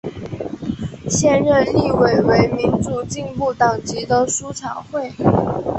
现任立委为民主进步党籍的苏巧慧。